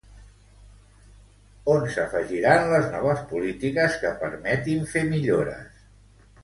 On s'afegiran les noves polítiques que permetin fer millores?